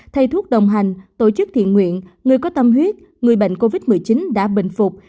thầy thuốc đồng hành tổ chức thiện nguyện người có tâm huyết người bệnh covid một mươi chín đã bình phục